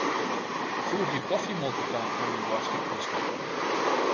Foegje kofjemolke ta oan myn boadskiplistke.